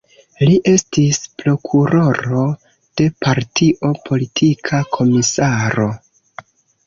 Li estis prokuroro de partio, politika komisaro.